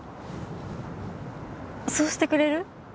そうしてくれる？